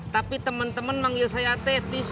tapi temen temen manggil saya tetis